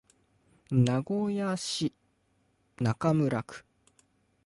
名古屋市中村区